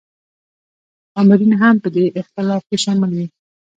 آمرین هم په دې اختلاف کې شامل وي.